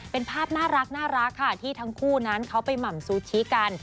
เป็นภาพน่ารักค่ะที่ทั้งคู่นั้นเขาไปหม่ำซูชิกัน